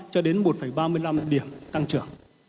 cho đến một ba mươi năm điểm tăng trưởng